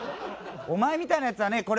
お前みたいなヤツはね